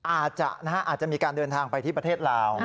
อาจจะมีการเดินทางไปที่ประเทศลาว